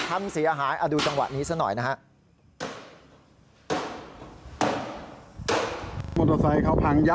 ทั้งเสียหายดูจังหวะนี้ซักหน่อย